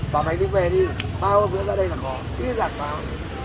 bảo mày đi về đi ba hôm nữa ra đây là khó ít giặt vào